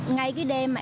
ngay cái đêm